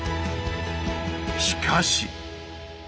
しかし。